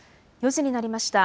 ４時になりました。